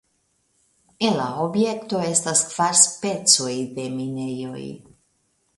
En la objekto estas kvar specoj de minejoj.